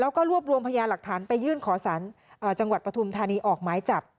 แล้วก็รวบรวมพยาหลักฐานไปยื่นขอสารจังหวัดปฐุมธานีออกหมายจับ